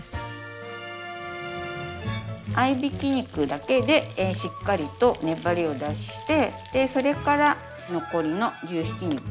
合いびき肉だけでしっかりと粘りを出してそれから残りの牛ひき肉を加えますね。